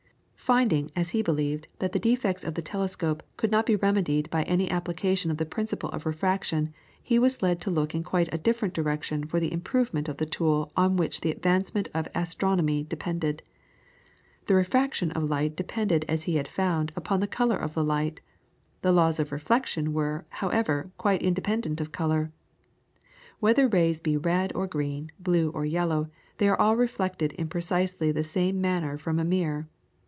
Finding, as he believed, that the defects of the telescope could not be remedied by any application of the principle of refraction he was led to look in quite a different direction for the improvement of the tool on which the advancement of astronomy depended. The REFRACTION of light depended as he had found, upon the colour of the light. The laws of REFLECTION were, however, quite independent of the colour. Whether rays be red or green, blue or yellow, they are all reflected in precisely the same manner from a mirror.